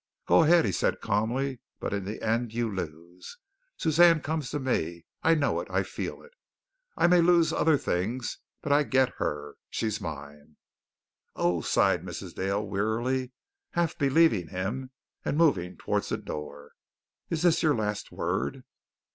"Go ahead," he said calmly, "but in the end you lose. Suzanne comes to me. I know it. I feel it. I may lose many other things, but I get her. She's mine." "Oh," sighed Mrs. Dale wearily, half believing him and moving towards the door. "Is this your last word?"